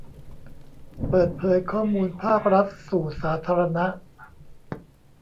เปิดเผยข้อมูลภาครัฐสู่สาธารณะ